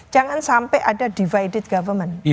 jangan sampai ada divided government